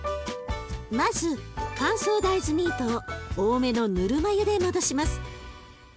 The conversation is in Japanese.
まず乾燥大豆ミートを多めのぬるま湯で戻します。